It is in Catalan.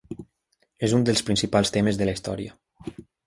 És un dels principals temes de la història.